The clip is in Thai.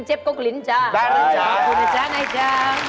ขอบคุณพระเจ้านะจ้ะ